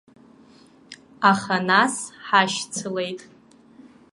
Аха нас ҳашьцылеит.